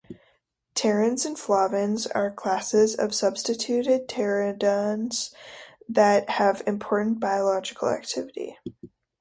Pterins and flavins are classes of substituted pteridines that have important biological activity.